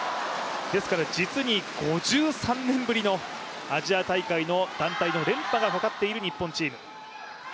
ですから実に５３年ぶりのアジア大会の大会連覇がかかっている日本チーム。